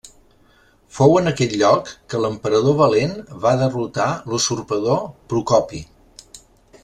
Fou en aquest lloc que l'emperador Valent va derrotar l'usurpador Procopi.